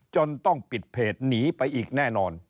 จนต้องปิดเพจหนีไปอีกแน่นอน